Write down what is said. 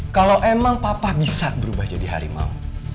kalau emang papa bisa berubah jadi harimau